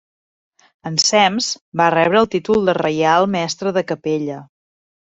Ensems va rebre el títol de reial mestre de capella.